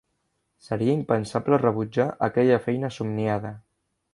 Seria impensable rebutjar aquella feina somniada.